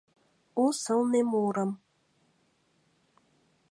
У сылне мурым